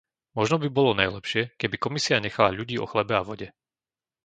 Možno by bolo najlepšie, keby Komisia nechala ľudí o chlebe a vode.